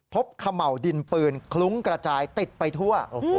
ขม่าวดินปืนคลุ้งกระจายติดไปทั่ว